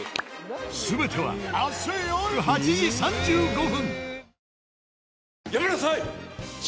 全ては明日よる８時３５分！